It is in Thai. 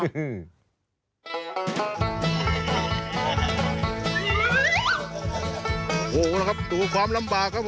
โอ้โหละครับดูความลำบากครับ